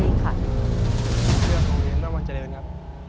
เลือกโรงเรียนบ้านบางเจริญครับ